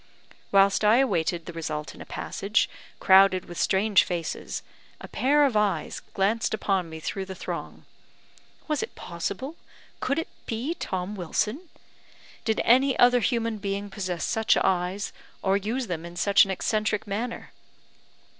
Whilst I awaited the result in a passage, crowded with strange faces, a pair of eyes glanced upon me through the throng. Was it possible? could it be Tom Wilson? Did any other human being possess such eyes, or use them in such an eccentric manner?